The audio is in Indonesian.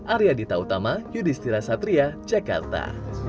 arya dita utama yudhistira satria jakarta